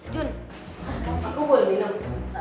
jun aku boleh minum